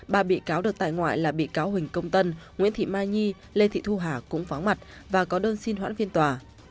ba bị cáo được tại ngoại là bị cáo huỳnh công tân nguyễn thị mai nhi lê thị thu hà cũng phó mặt và có đơn xin hoãn phiên tòa